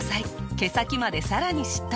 毛先までさらにしっとり。